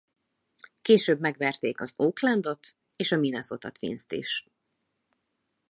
Később megverték az Oakland-ot és a Minnesota Twins-t is.